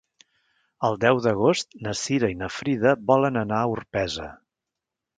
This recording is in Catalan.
El deu d'agost na Cira i na Frida volen anar a Orpesa.